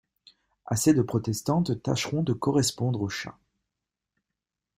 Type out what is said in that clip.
Assez de protestantes tâcheront de correspondre au chat.